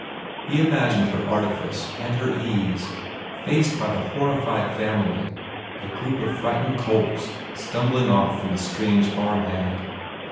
He imagined her artifice and her ease faced by the horrified family a group of frightened colts stumbling off from a strange farmhand.